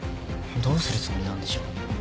どうするつもりなんでしょう。